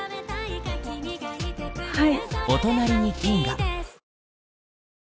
はい。